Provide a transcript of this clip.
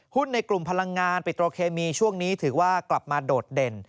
ในกลุ่มพลังงานปิโตรเคมีช่วงนี้ถือว่ากลับมาโดดเด่น